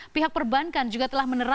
pihak perbankan juga telah menerapkan